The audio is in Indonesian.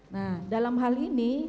nah dalam hal ini